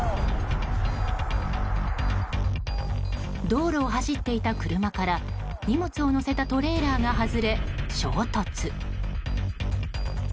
道路を走っていた車から荷物を載せたトレーラーが外れ衝突。